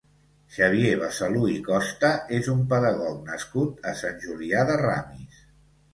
Xavier Besalú i Costa és un pedagog nascut a Sant Julià de Ramis.